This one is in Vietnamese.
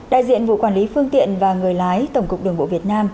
đại diện vụ quản lý phương tiện và người lái tổng cục đường bộ việt nam